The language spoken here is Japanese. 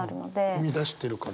生み出してるから。